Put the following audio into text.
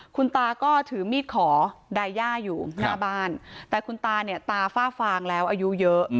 คุณตาก็ถือมีดขอไดย่าอยู่หน้าบ้านแต่คุณตาเนี่ยตาฝ้าฟางแล้วอายุเยอะ